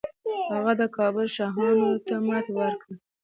هغه د کابل شاهانو ته ماتې ورکړه